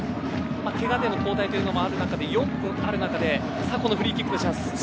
けがでの交代というのもある中で４分ある中でこのフリーキックのチャンス。